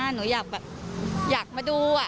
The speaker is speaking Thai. หนูอยากมาดู